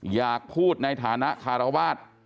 อยากพูดในฐานะคารวาส